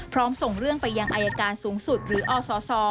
ส่งเรื่องไปยังอายการสูงสุดหรืออศ